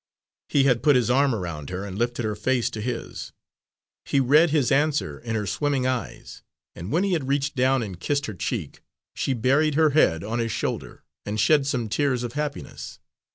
He had put his arm around her and lifted her face to his. He read his answer in her swimming eyes, and when he had reached down and kissed her cheek, she buried her head on his shoulder and shed some tears of happiness.